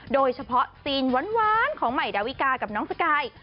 โดยเฉพาะซีนหวานของใหม่ดาวิกากับน้องสกาย